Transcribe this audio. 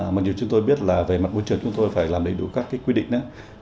một điều chúng tôi biết là về mặt môi trường chúng tôi phải làm đầy đủ các quy định